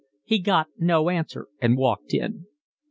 He got no answer and walked in.